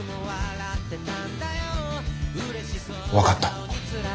分かった。